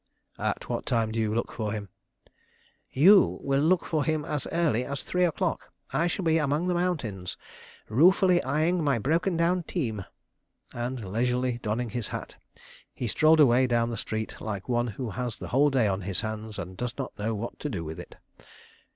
"At what time do you look for him?" "You will look for him as early as three o'clock. I shall be among the mountains, ruefully eying my broken down team." And leisurely donning his hat he strolled away down the street like one who has the whole day on his hands and does not know what to do with it.